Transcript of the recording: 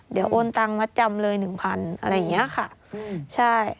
เดี๋ยวโอนตังมาจำเลย๑๐๐๐บาทอะไรอย่างนี้ค่ะ